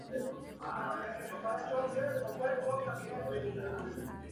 Habían abrazado esta opinión por no tener que admitir la transubstanciación.